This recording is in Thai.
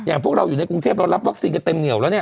พวกเราอยู่ในกรุงเทพเรารับวัคซีนกันเต็มเหนียวแล้วเนี่ย